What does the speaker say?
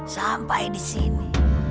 sampai di sini